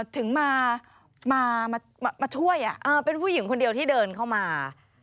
ถึงมาช่วยเป็นผู้หญิงคนเดียวที่เดินเข้ามา